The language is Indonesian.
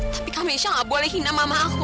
tapi kamesha gak boleh hina mama aku